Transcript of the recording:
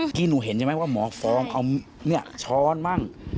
เมื่อกี้หนูเห็นใช่ไหมว่าหมอฟองนี่ช้อนบ้าง